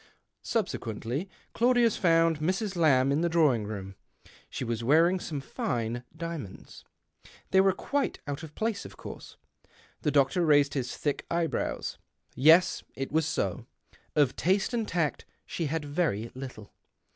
Subsequently Claudius found Mrs. Lamb in the drawing room. She was wearing some tine diamonds. They were quite out of place, of course. The doctor raised his thick eye brows. Yes, it was so — of taste and tact she had very little.